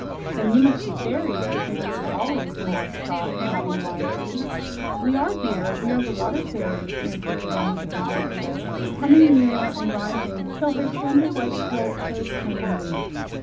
"Then you must be fairies if you've lived always," remarked Trot, nodding wisely. "We are, dear. We are the water fairies," answered the one with the blonde hair, coming nearer and rising till her slender white throat showed plainly.